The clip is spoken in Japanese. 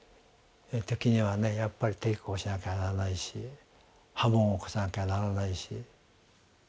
時にはやっぱり抵抗しなきゃならないし波紋を起こさなきゃならないし。